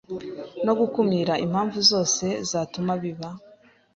no gukumira impamvu zose zatuma biba